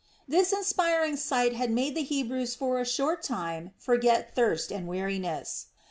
This inspiring sight had made the Hebrews for a short time forget thirst and weariness.